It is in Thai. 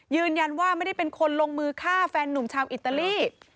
ยืนยันว่าไม่ได้เป็นคนลงมือฆ่าแฟนนุ่มชาวอิตาลี